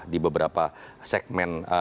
di beberapa segmen